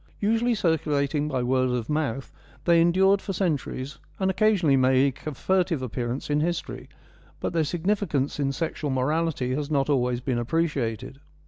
Usually circulating by word of mouth, they endured for centuries, and occasionally make a furtive appearance in history, but their significance in sexual morality has not always been appreciated.